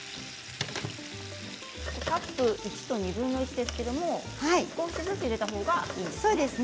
カップ１と２分の１ですけれど少しずつ入れた方がいいんですね。